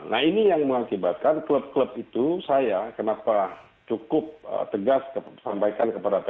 nah ini yang mengakibatkan klub klub itu saya kenapa cukup tegas sampaikan kepada p tiga